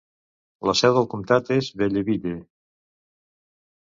La seu del comtat és Belleville.